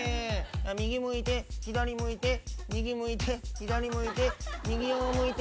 右向いて、左向いて、右向いて、左向いて。